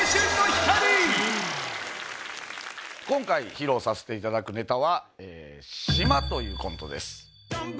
今回披露させていただくネタはというコントです